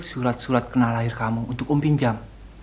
surat surat kenal lahir kamu untuk om pinjam